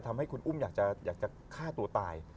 ทำให้คุณอุ้มอยากจะฆ่าตัวตาย